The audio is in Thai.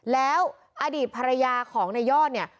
แล้วอดีตภรรยาของนายยอดเนี่ย